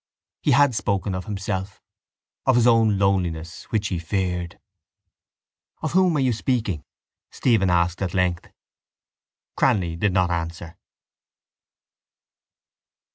He had spoken of himself, of his own loneliness which he feared. —Of whom are you speaking? Stephen asked at length. Cranly did not answer.